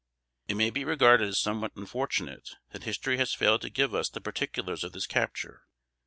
It may be regarded as somewhat unfortunate, that history has failed to give us the particulars of this capture.